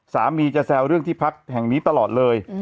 จะแซวเรื่องที่พักแห่งนี้ตลอดเลย